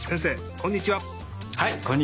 こんにちは。